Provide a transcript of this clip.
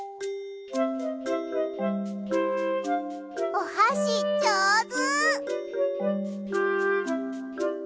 おはしじょうず！